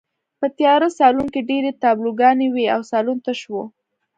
په تیاره سالون کې ډېرې تابلوګانې وې او سالون تش و